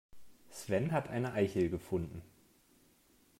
Sven hat eine Eichel gefunden.